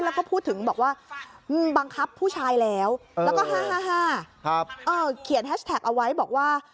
แล้วก็พูดถึงบอกว่ามึงบังคับผู้ชายแล้วแล้วก็๕๕เขียนแฮชแท็กเอาไว้บอกว่า